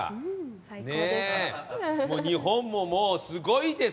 日本も、もうすごいです。